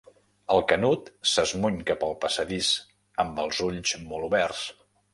El Canut s'esmuny cap al passadís amb els ulls molt oberts.